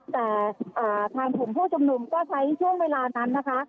แต่ทางกลุ่มผู้ชุมนุมก็ใช้ช่วงเวลานั้นนะคะ